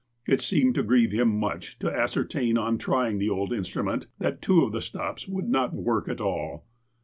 It seemed to grieve him much to ascertain, on trying the old instrument, that two of the stops would not work at all.